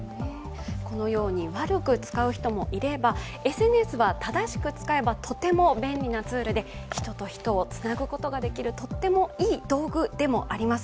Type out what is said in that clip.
このように悪く使う人もいればＳＮＳは正しく使えばとても便利なツールで人と人をつなぐことができるとってもいい道具でもあります。